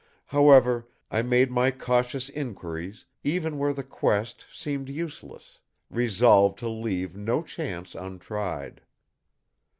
However, I made my cautious inquiries even where the quest seemed useless, resolved to leave no chance untried.